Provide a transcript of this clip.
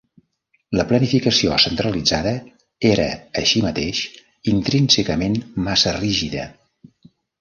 La planificació centralitzada era, així mateix, intrínsecament massa rígida.